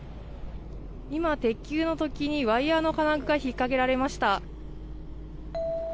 今、鉄球の突起にワイヤの金具が引っ掛けられました。